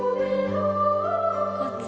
こっち。